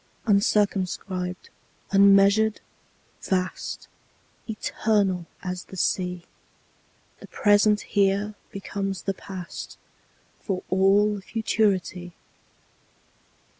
Uncircumscribed, unmeasured, vast, Eternal as the Sea, The present here becomes the past, For all futurity.